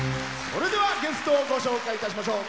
それではゲストをご紹介いたしましょう。